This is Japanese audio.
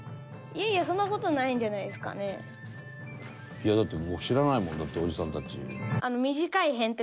いやだって知らないもんおじさんたち。